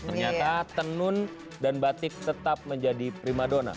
ternyata tenun dan batik tetap menjadi primadona